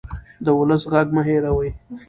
د ولس غږ مه هېروئ